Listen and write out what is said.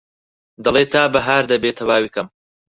دەڵێ تا بەهار دەبێ تەواوی کەم